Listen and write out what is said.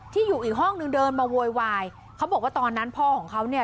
อยู่อีกห้องนึงเดินมาโวยวายเขาบอกว่าตอนนั้นพ่อของเขาเนี่ย